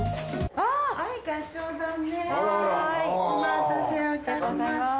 はいお待たせをいたしました。